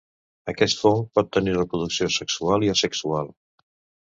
Aquest fong pot tenir reproducció sexual i asexual.